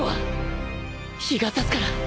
日が差すから